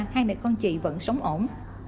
hai mẹ con chị vẫn sống ổn